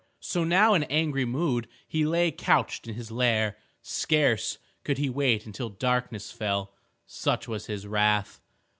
So now in angry mood he lay couched in his lair. Scarce could he wait until darkness fell, such was his wrath.